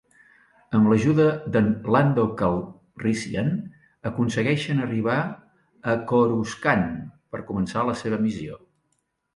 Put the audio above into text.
Amb l'ajuda d'en Lando Calrissian, aconsegueixen arribar a Coruscant per començar la seva missió.